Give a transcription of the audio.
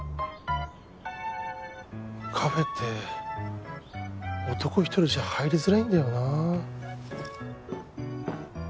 カフェって男一人じゃ入りづらいんだよなあ。